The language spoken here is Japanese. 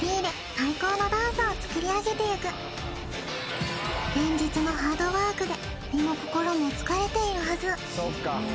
最高のダンスをつくりあげていく連日のハードワークで身も心も疲れているはず